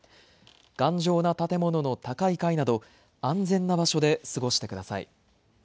頑丈な建物の高い階など安全な場所で過ごしてください。